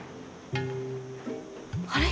あれ？